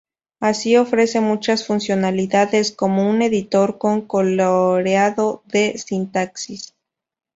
Así ofrece muchas funcionalidades como un editor con coloreado de sintaxis.